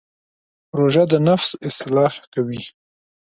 روژه د نفس اصلاح کوي.